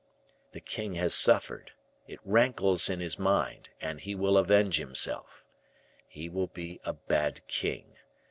The king has suffered; it rankles in his mind; and he will avenge himself. He will be a bad king.